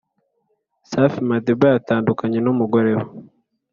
Safi Madiba yatandukanye numugore we